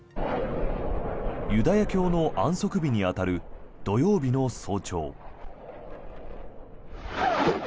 ユダヤ教の安息日に当たる土曜日の早朝。